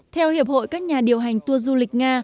theo hiệp hội các nhà điều hành tuân dụng